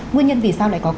nguyên nhân vì sao lại có